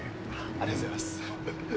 ありがとうございます！